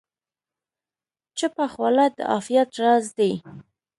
چپه خوله، د عافیت راز دی.